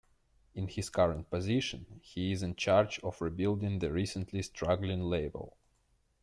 In his current position, he is in charge of rebuilding the recently struggling label.